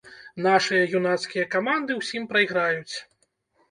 Нашы юнацкія каманды ўсім прайграюць.